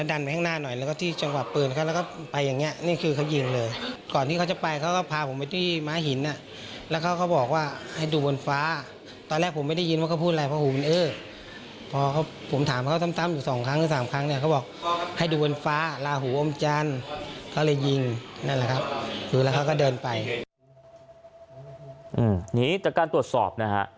นี่จากการตรวจสอบนะฮะ